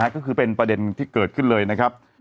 ก็คือเป็นประเด็นที่เกิดขึ้นเลยนะครับ